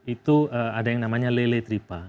itu ada yang namanya lele tripa